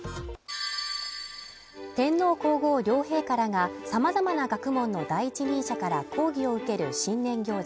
天皇皇后両陛下らが様々な学問の第一人者から講義を受ける新年行事